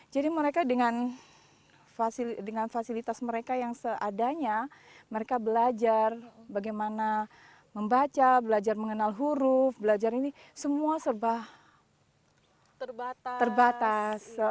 jadi mereka dengan fasilitas mereka yang seadanya mereka belajar bagaimana membaca belajar mengenal huruf belajar ini semua serba terbatas